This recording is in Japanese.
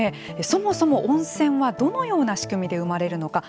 そもそも温泉はどのような仕組みで生まれるのか。